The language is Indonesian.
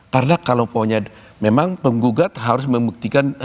karena kalau pokoknya memang penggugat harus membuktikan dalilnya